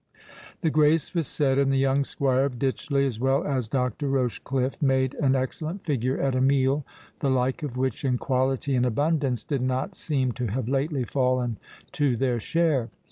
The grace was said, and the young squire of Ditchley, as well as Dr. Rochecliffe, made an excellent figure at a meal, the like of which, in quality and abundance, did not seem to have lately fallen to their share.